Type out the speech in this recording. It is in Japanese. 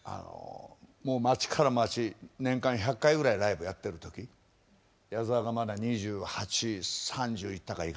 もう町から町年間１００回ぐらいライブやってる時矢沢がまだ２８３０いったかいかないかぐらいで。